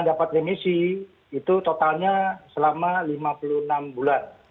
dapat remisi itu totalnya selama lima puluh enam bulan